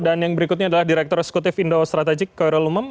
dan yang berikutnya adalah direktur sekutif indo strategik koyol lumem